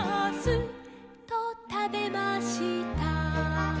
「たべました」